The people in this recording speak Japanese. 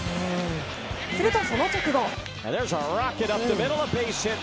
すると、その直後。